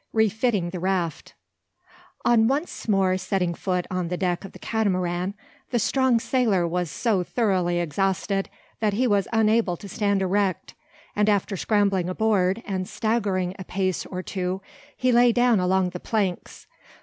REFITTING THE RAFT. On once more setting foot on the deck of the Catamaran the strong sailor was so thoroughly exhausted that he was unable to stand erect, and after scrambling aboard, and staggering a pace or two, he lay down along the planks.